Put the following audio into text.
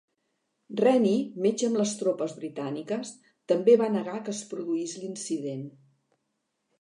Rennie, metge amb les tropes britàniques, també va negar que es produís l'incident.